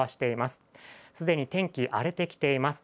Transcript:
すでに天気、荒れてきています。